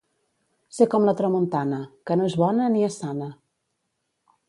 Ser com la tramuntana, que no és bona ni és sana.